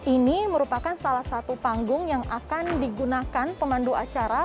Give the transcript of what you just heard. ini merupakan salah satu panggung yang akan digunakan pemandu acara